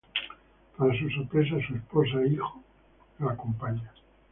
Para su sorpresa, su esposa e hijo lo acompañan.